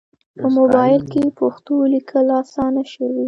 په موبایل کې پښتو لیکل اسانه شوي.